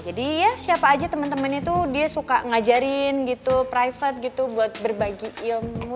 jadi ya siapa aja temen temennya itu dia suka ngajarin gitu private gitu buat berbagi ilmu